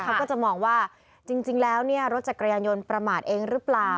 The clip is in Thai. เขาก็จะมองว่าจริงแล้วรถจักรยานยนต์ประมาทเองหรือเปล่า